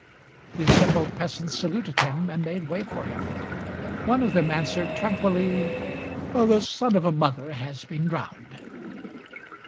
The assembled peasants saluted him and made way for him. One of them answered tranquilly: "The son of a mother has been drowned."